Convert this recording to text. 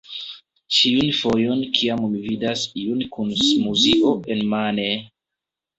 Ĉiun fojon kiam mi vidas iun kun smuzio enmane